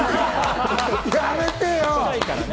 やめてよ！